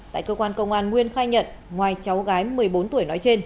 tại cơ quan công an nguyên khai nhận ngoài cháu gái một mươi bốn tuổi nói trên